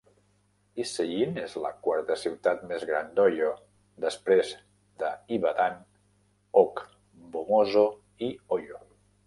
Iseyin és la quarta ciutat més gran d'Oyo, després de Ibadan, Ogbomoso i Oyo.